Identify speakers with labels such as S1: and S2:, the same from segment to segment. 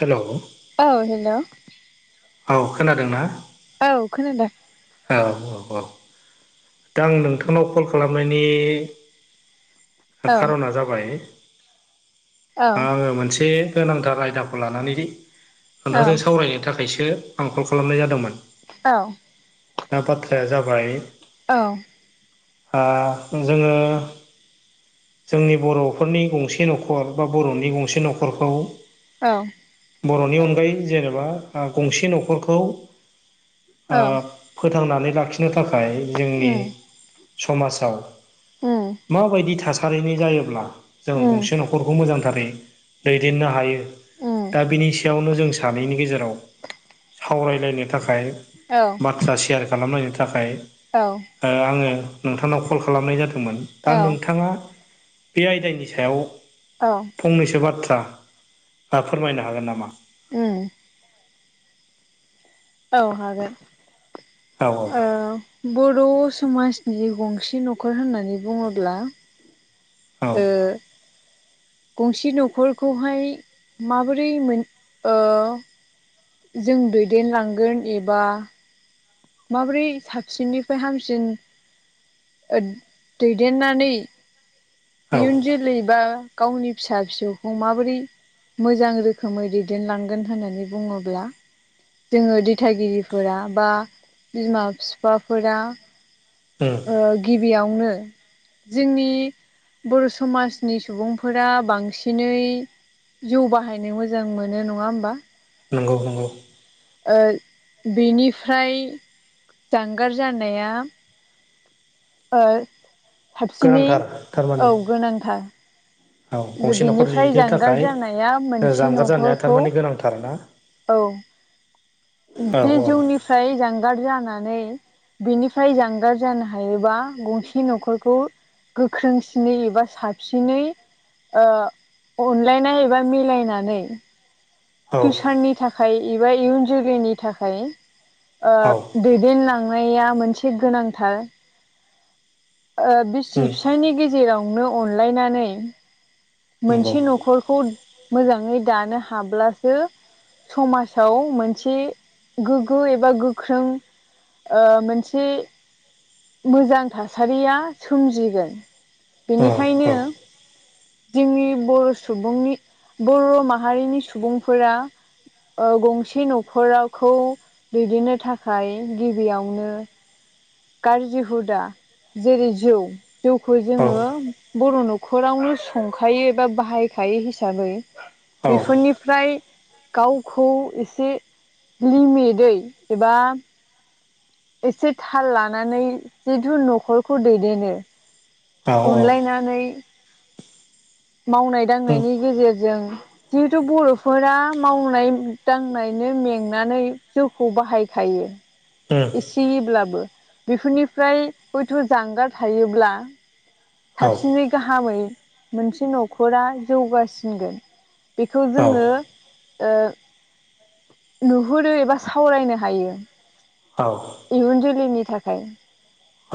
S1: हेल'
S2: औ हेल'
S1: औ खोनादों ना
S2: औ खोनादों
S1: औ औ औ दा आं नोंथांनाव कल खालामनायनि
S2: औ
S1: खार'ना जाबाय
S2: औ
S1: आङो मोनसे गोनांथार आयदाखौ लानानै
S2: औ
S1: खोनथाजों सावरायनो थाखायसो आं कल खालामनाय जादोंमोन
S2: औ
S1: दा बाथ्राया जाबाय
S2: औ
S1: ओ जोङो जोंनि बर'फोरनि गंसे न'खर बा बर'नि गंसे न'खरखौ
S2: औ
S1: बर'नि अनगायै जेनेबा गंसे न'खरखौ ओ
S2: औ
S1: फोथांनानै लाखिनो थाखाय जोंनि
S2: उम
S1: समाजाव
S2: उम
S1: माबायदि थासारिनि जायोब्ला जों
S2: उम
S1: गंसे न'खरखौ मोजांथारै दैदेननो हायो
S2: उम
S1: दा बिनि सायावनो जों सानैनि गेजेराव सावरायलायनो थाखाय
S2: औ
S1: बाथ्रा सेयार खालामलायनो थाखाय
S2: औ
S1: ओ आङो नोंथांनाव कल खालामनाय जादोंमोन दा
S2: औ
S1: नोंथाङा बे आयदानि सायाव
S2: औ
S1: फंनैसो बाथ्रा फोरमायनो हागोन नामा
S2: उम औ हागोन औ बर' समाजनि गंसे न'खर होननानै बुङोब्ला
S1: औ
S2: ओ गंसे न'खरखौहाय माबोरै मोन ओ जों दैदेनलांगोन एबा माबोरै साबसिननिफ्राय हामसिन ओ दैदेननानै
S1: औ
S2: इयुन जोलै बा गावनि फिसा फिसौखौ माबोरै मोजां रोखोमै दैदेनलांगोन होननानै बुङोब्ला जोङो दिथागिरिफोरा बा बिमा बिफाफोरा
S1: उम
S2: ओ गिबियावनो जोंनि बर' समाजनि सुबुंफोरा बांसिनै जौ बाहायनो मोजां मोनो नङा होमबा
S1: नंगौ नंगौ
S2: ओ बेनिफ्राय जानगार जानाया ओ साबसिनै
S1: गोनांथार थारमाने
S2: औ गोनांथार
S1: औ गंसे न'खर
S2: बेनिफ्राय
S1: जिनो
S2: जानगार
S1: थाखाय
S2: जानाया मोनसे
S1: जानगार जानाया
S2: न'खरखौ
S1: थारमाने गोनांथार ना
S2: औ
S1: औ
S2: बे
S1: औ
S2: जौनिफ्राय जानगार जानानै बेनिफ्राय जानगार जानो हायोबा गंसे न'खरखौ गोख्रोंसिनै एबा साबसिनै ओ अनलायनाय एबा मिलायनानै
S1: औ
S2: फिउचारनि थाखाय एबा इयुन जोलैनि थाखाय ओ
S1: औ
S2: दैदेनलांनाया मोनसे गोनांथार ओ बिसि
S1: उम
S2: फिसायनि गेजेरावनो अनलायनानै
S1: नंगौ
S2: मोनसे न'खरखौ मोजाङै दानो हाब्लासो समाजाव मोनसे गोग्गो एबा गोख्रों ओ मोनसे मोजां थासारिया सोमजिगोन
S1: औ
S2: बेनिखायनो जोंनि बर' सुबुंनि बर' माहारिनि सुबुंफोरा ओ गंसे न'खरखौ दैदेननो थाखाय गिबियावनो गाज्रि हुदा जेरै जौ जौखौ
S1: औ
S2: जोङो बर' न'खरावनो संखायो एबा बाहायखायो हिसाबै
S1: औ
S2: बेफोरनिफ्राय गावखौ एसे लिमिदै एबा एसे थाल लानानै जिथु न'खरखौ दैदेनो
S1: औ औ
S2: अनलायनानै मावनाय
S1: उम
S2: दांनायनि गेजेरजों जिहेथु बर'फोरा मावनाय दांनायनो मेंनानै जौखौ बाहायखायो
S1: उम
S2: एसेैब्लाबो बेफोरनिफ्राय हयथ' जानगार थायोब्ला
S1: औ
S2: साबसिनै गाहामै मोनसे न'खरा जौगासिनगोन बेखौ
S1: औ
S2: जोङो ओ नुहुरो एबा सावरायनो हायो
S1: औ
S2: इयुन जोलैनि थाखाय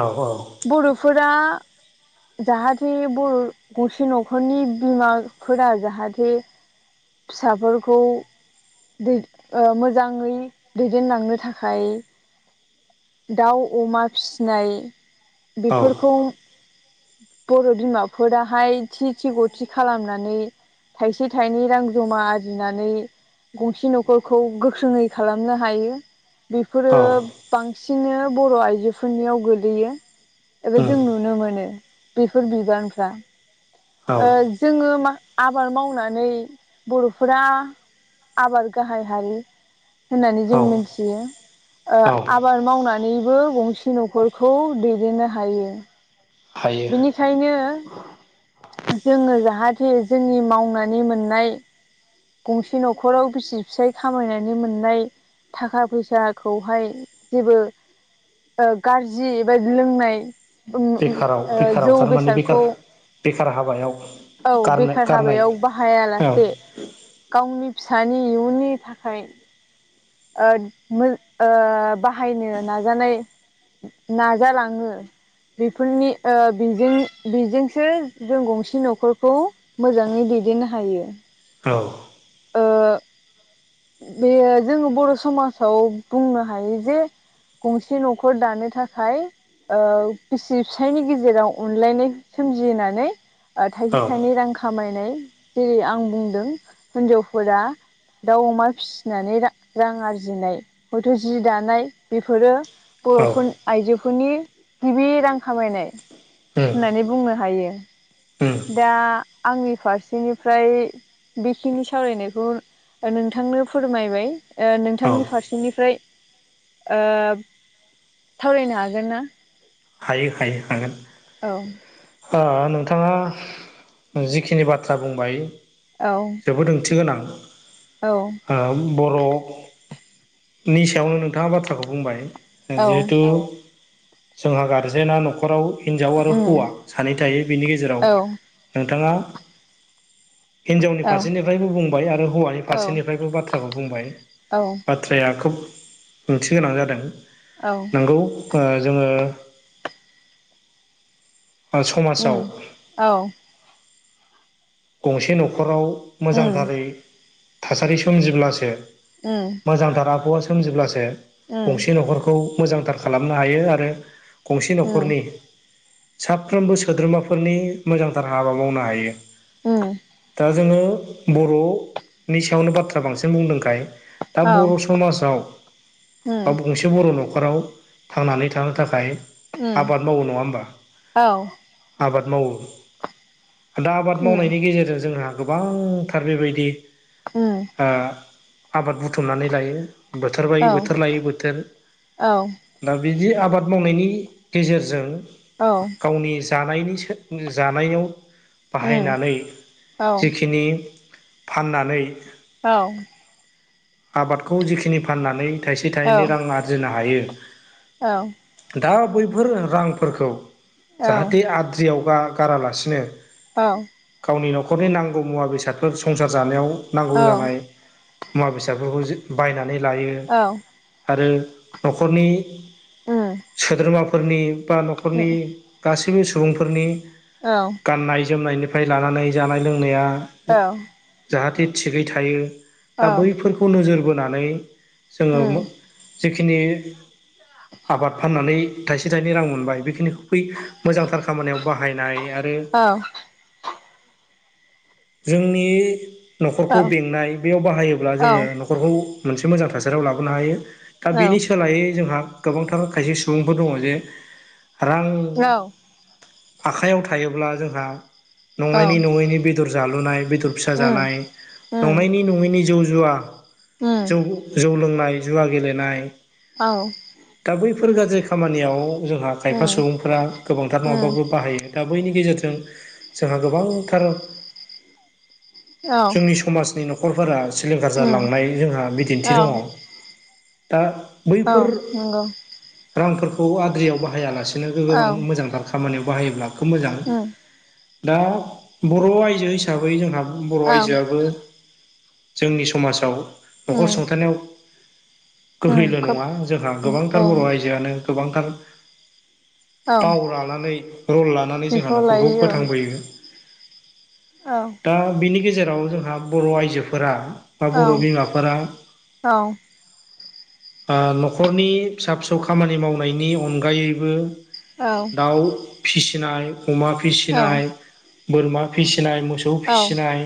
S1: औ औ
S2: बर'फोरा जाहाथे बर' गसे न'खरनि बिमाफोरा जाहाथे फिसाफोरखौ दै मोजाङै दैदेनलांनो थाखाय दाउ अमा फिसिनाय
S1: औ उम
S2: बेफोरखौ बर' बिमाफोराहाय थि थि ग थि खालामनानै थाइसे थाइनै रां जमा आरजिनानै गंसे न'खरखौ गोख्रोङै खालामनो हायो बेफोरो बांसिनो बर' आइजोफोरनियाव गोलैयो एबा जों नुनो मोनो बेफोर बिबानफ्रा
S1: औ
S2: ओ जोङो मा-आबाद मावनानै बर'फोरा आबाद गाहाय हारि होननानै
S1: औ
S2: जों मिन्थियो ओ आ बाद मावनानैबो गंसे न'खरखौ दैदेननो हायो
S1: हायो
S2: बेखायनो जोङो जाहाथे जोंनि मावनानै मोननाय गंसे न'खराव बिसि फिसाय खामायनानै मोननाय थाखा फैसाखौहाय जेबो ओ गाज्रि एब लोंनाय उम उ
S1: बेखाराव बेखाराव थारमाने बेखार बेखार हाबायाव
S2: औ
S1: गारनो
S2: बेखार
S1: गारनाय
S2: हाबायाव
S1: औ
S2: बाहायालासे गावनि फिसानि इयुननि थाखाय ओ मोन ओ बाहायनो नाजानाय नाजालाङो बेफोरनि ओ बेजों बेजोंसो जों गंसे न'खरखौ मोजाङै दैदेननो हायो
S1: औ
S2: ओ
S1: [inaudible]
S2: बेयो जोङो बर' समाजाव बुंनो हायो जे गंसे न'खर दानो थाखाय ओ बिसि फिसायनि गेजेराव अनलायनाय सोमजिनानै ओ थाइसे थाइनै
S1: औ
S2: रां खामायनाय जेरै आं बुंदों हिन्जावफोरा दाउ अमा फिसिनानै रा-रां आरजिनाय हयथ' जि दानाय बेफोरो
S1: औ
S2: बर'फोरनि आइजोफोरनि गिबि रां खामायनाय
S1: उम
S2: होननानै बुंनो हायो
S1: उम
S2: दा आंनि फारसेनिफ्राय नि सावरायनायखौ नोंथांनो फोरमायबाय
S1: औ
S2: ओनोंथांनि फारसे निफ्राय ओ सावरायनो हागोन ना
S1: हायो हायो हागोन
S2: औ
S1: ओ नोंथाङा जिखिनि बाथ्रा बुंबाय
S2: औ
S1: जोबोद ओंथि गोनां
S2: औ
S1: ओ बर' नि सायावनो नोंथाङा बाथ्राखौ बुंबाय
S2: औ
S1: जिहेतु जोंहा गारजेना न'खराव हिनजाव आरो हौवा
S2: उम
S1: सानै थायो बिनि
S2: औ
S1: गेजेराव। नोंथाङा हिनजावनि फारसेनिफ्रायबो बुंबाय आरो हौवानि
S2: औ
S1: फारसेनिफ्रायबो बाथ्राखौ बुंबाय
S2: औ
S1: [unintelligible] थ्राया खोब ओंथि गोनां जादों।
S2: औ
S1: नोंगौ ओ जोङो ओ समाजाव
S2: उम औ
S1: गंसे न'खराव
S2: उम
S1: मोजांथारै थासारि सोमजिब्लासो
S2: औ
S1: मोजांथार आबहावा सोमजिब्लासो
S2: उम
S1: गंसे न'खरखौ मोजांथार खालामनो हायो आरो गंसे
S2: उम
S1: न'खरनि साफ्रोमबो सोद्रोमाफोरनि मोजांथार हाबा मावनो हायो।
S2: उम।
S1: दा जोङो बर'नि सायावनो बाथ्रा बांसिन बुंदोंखाय दा
S2: औ
S1: बर' समाजाव बा [unintelligible]
S2: उम
S1: बर' न'खराव थांनानै थानो थाखाय
S2: उम
S1: आबाद मावो नङा होमबा?
S2: औ
S1: आबाद मावो दा आबाद
S2: उम
S1: मावनायनि गेजेरजों जोंहा गोबांथार बेबायदि
S2: उम
S1: आ आबाद बुथुमनानै लायो बोथोर
S2: औ
S1: बायो बोथोर लायो बोथोर।
S2: औ उम औ
S1: दा बिदि आबाद मावनायनि गेजेरजों
S2: औ
S1: गावनि जानायनि [unintelligible] जानायाव बाहायनानै जिखिनि फाननानै
S2: औ
S1: आबादखौ जिखिनि फाननानै थाइसे थाइनै रां आरजिनो हायो।
S2: औ
S1: दा बैफोर रांफोरखौ
S2: औ औ
S1: जाहाथे आद्रियाव गा-गारालासिनो
S2: औ
S1: गावनि न'खरनि नांगौ मुवा बेसादफोर संसार जानायाव
S2: बेखौ लायो औ
S1: नांगौ जानाय मुवा बेसादफोरखौ बायनानै लायो आरो न'खरनि सोद्रोमाफोरनि बा न'खरनि गासैबो सुबुंफोरनि
S2: औ
S1: गाननाय-जोमनायनिफ्राय लानानै जानाय लोंनाया जाहाथे थिगै थायो दा बैफोरखौ नोजोर बोनानै जोङो जिखिनि आबाद फाननानै थाइसे थाइनै रां मोनबाय बेखिनिखौ बै मोजांथार खामानियाव बाहायनाय आरो
S2: औ
S1: जोंनि न'खरखौ बेंनाय बेयाव बाहायोब्ला जोङो न' खरखौ मोनसे मोजां थासारियाव लाबोनो हायो दा बेनि सोलायै जोंहा गोबांथार खायसे सुबुंफोर दङ जे रां आखाइयाव थायोब्ला जोंहा नंनायनि नङैनि बेदर जालुनाय बेदर फिसा जानाय नंनायनि नङैनि जौ जुवा जौ जौ लोंनाय जुवा गेलेनाय
S2: औ
S1: दा बैफोर गाज्रि खामानियाव जोंहा खायफा सुबुंफोरा गोबांथार नङाबाबो बाहायो। दा बैनि गेजेरजों जोंहा गोबांथार जोंनि समाजनि न'खरफोरा सिलिंखार
S2: औ
S1: जालांनाय जोंहा
S2: औ
S1: बिदिन्थि दङ। दा बैफोर
S2: नंगौ
S1: रांफोरखौ आद्रियाव बाहायालासे [unintelligible]
S2: औ
S1: बां मोजांथार खामानियाव बाहायोब्ला खोब मोजां दा बर' आइजो आइजो हिसाबै जोंहा बर' आइजोआबो जोंनि समाजाव न'खर सुंथानायाव गोहैल' नङा जोंहा गोबांथार बर' आइजोआनो गोबांथार थाव लानानै रल लानानै जोंहा न'खरखौ फोथांबोयो
S2: औ
S1: दा बिनि गेजेराव जोंहा बर' आइजोफोरा बा बर' बिमाफोरा ओ न'खरनि फिसा फिसौ खामानि मावनायनि अनगायैबो
S2: औ
S1: दाउ फिसिनाय, अमा फिसिनाय, बोरमा फिसिनाय, मोस सौ फिसिनाय,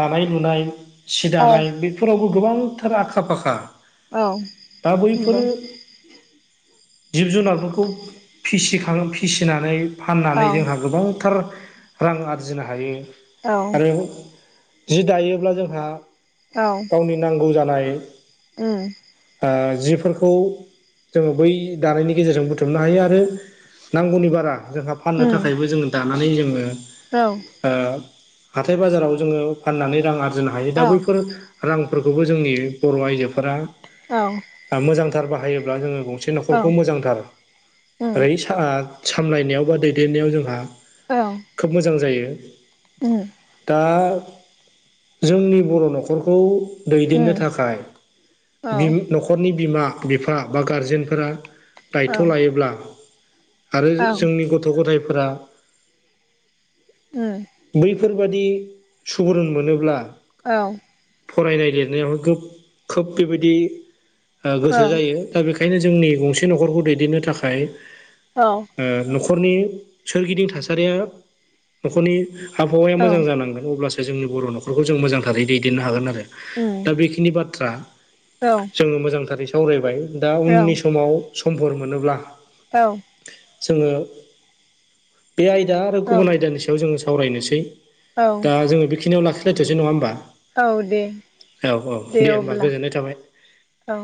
S1: दानाय लुनाय, सि दानाय बे फोरावबो गोबांथार आखा फाखा दा बैफोरो जिब जुनारफोरखौ फिसिखां फिसिनानै फाननानै जोंहा गोबांथार रां आरजिनो हायो आरो जि दायोब्ला जोंहा
S2: औ
S1: गावनि नांगौ जानाय
S2: उम
S1: ओ जिफोरखौ जोङो बै दानायनि गेजेरजों बुथुमनो हायो आरो नांगौनि बारा जोंहा फाननो थाखायबो जोङो दानानै जोङो
S2: औ
S1: ओ हाथाय बाजाराव जोङो फाननानै रां आरजिनो हायो दा
S2: औ
S1: बैफोर रांफोरखौबो जोंनि बर' आइजोफोरा
S2: औ
S1: मोजांथार बाहायोब्ला जोङो गंसे न'खरखौ मोजांथार
S2: उम
S1: ओरै ओ सामलायनायाव बा दैदेननायाव जोंहा
S2: औ
S1: खोब मोजां जायो
S2: उम
S1: दा जोंनि बर' न'खरखौ दैदेननो
S2: उम
S1: थाखाय
S2: औ
S1: बिम नख न'खरनि बिमा बिफा बा गारजेनफोरा
S2: औ
S1: दायथ' लायोब्ला आरो
S2: औ
S1: जोंनि गथ' गथायफोरा
S2: उम
S1: बैफोरबादि सुबुरुन मोनोब्ला
S2: औ
S1: फरायनाय लिरनायावबो खोब बेबायदि ओ
S2: औ
S1: गोसो
S2: उम औ
S1: जायो दा बेखायनो जोंनि गंसे न'खरखौ दैदेननो थाखाय
S2: औ
S1: ओ न'खरनि सोरगिदिं थासारिया न'खरनि आबहावाया मोजां जानांगोन अब्लासो जोंनि बर' न'खरखौ जों मोजांथारै दैदेननो हागोन आरो दा बेखिनि बाथ्रा जोङो मोजांथारै सावरायबाय दा उननि समाव समफोर मोनोब्ला
S2: औ
S1: जोङो बे आयदा
S2: औ
S1: आरो
S2: औ
S1: गुबुन आयदानि सायाव जोङो सावरायनोसै
S2: औ
S1: दा जोङो बेखिनियाव लाखिलायथ'सै नङा होमबा
S2: औ दे
S1: औ औ दे होमबा गोजोननाय थाबाय
S2: औ